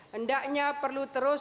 hendaknya perlu terus